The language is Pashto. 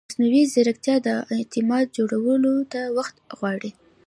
مصنوعي ځیرکتیا د اعتماد جوړولو ته وخت غواړي.